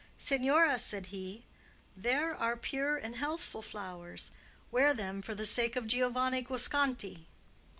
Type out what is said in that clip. "Signora," said he, "there are pure and healthful flowers. Wear them for the sake of Giovanni Guasconti."